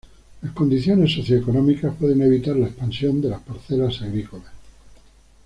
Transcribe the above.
Las condiciones socioeconómicas pueden evitar la expansión de las parcelas agrícolas.